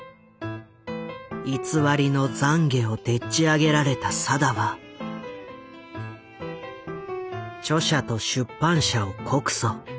偽りの「ざんげ」をでっちあげられた定は著者と出版社を告訴。